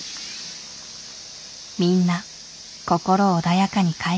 みんな心穏やかに帰っていく。